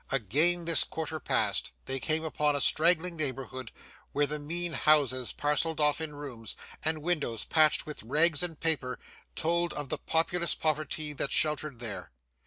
Again this quarter passed, they came upon a straggling neighbourhood, where the mean houses parcelled off in rooms, and windows patched with rags and paper, told of the populous poverty that sheltered there.